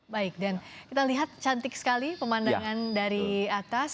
baik dan kita lihat cantik sekali pemandangan dari atas